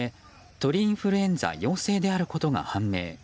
鳥インフルエンザ陽性であることが判明。